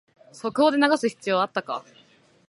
速報で流す必要あったか